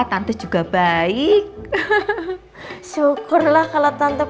tante juga baik syukurlah kalau tante